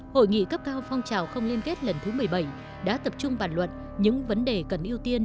hội nghị cấp cao phong trào không liên kết lần thứ một mươi bảy đã tập trung bàn luận những vấn đề cần ưu tiên